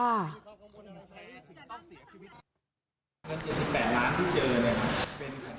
๗๘ล้านบาทที่เจออะไรครับ